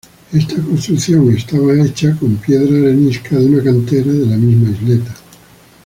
Esta construcción estaba construida con piedra arenisca de una cantera de la misma isleta.